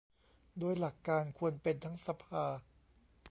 โดยหลักการควรเป็นทั้งสภา